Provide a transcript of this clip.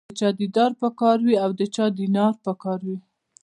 د چا دیدار په کار وي او د چا دینار په کار وي.